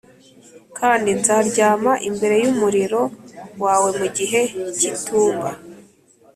kandi nzaryama imbere y'umuriro wawe mu gihe cy'itumba